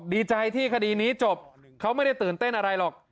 ดีใจที่คดีนี้จบเขาไม่ได้ตื่นเต้นอะไรหรอก